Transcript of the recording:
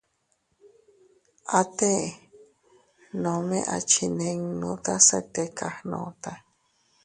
At nome a chinninuta se tika gnuta.